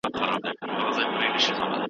که استدلال وي نو مرحله ميتا فزيکي ده.